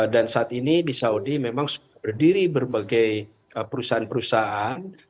dan saat ini di saudi memang berdiri berbagai perusahaan perusahaan